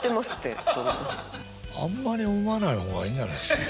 あんまり思わないほうがいいんじゃないですか？